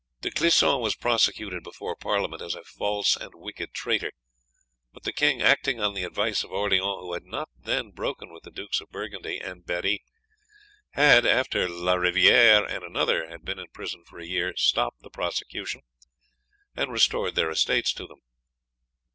De Clisson was prosecuted before Parliament as a false and wicked traitor; but the king, acting on the advice of Orleans, who had not then broken with the Dukes of Burgundy and Berri, had, after La Riviere and another had been in prison for a year, stopped the prosecution, and restored their estates to them.